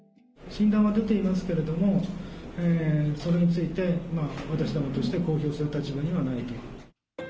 診断は出ていますけれども、それについて、私どもとして公表する立場にはないと。